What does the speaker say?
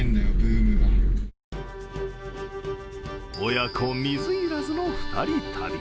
親子水入らずの２人旅。